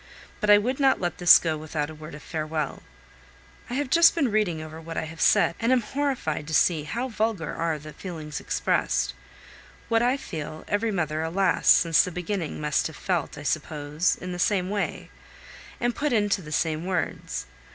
But I would not let this go without a word of farewell. I have just been reading over what I have said, and am horrified to see how vulgar are the feelings expressed! What I feel, every mother, alas! since the beginning must have felt, I suppose, in the same way, and put into the same words.